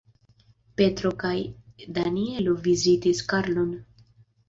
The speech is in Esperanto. Petro kaj Danjelo vizitis Karlon.